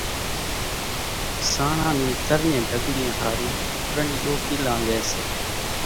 سانڻان نِي ترڃين ڍڳليان ۿارُو ترڃ ڏوڪيلا لئي سي،